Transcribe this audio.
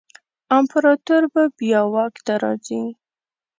امپراتور به بیا واک ته راځي.